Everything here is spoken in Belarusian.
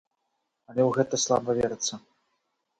Але ў гэта слаба верыцца.